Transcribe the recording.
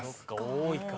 多いか。